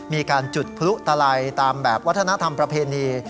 มีการจุดพลุตลัยตามแบบวัฒนธรรมประเพณี